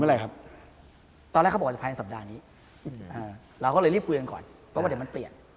ตอนแรกเขาบอกว่าจะใช่ช่วงสัปดาห์นี้เราก็เลยรีบด้วยกันก่อนเพราะว่าเดี๋ยวมันเปลี่ยน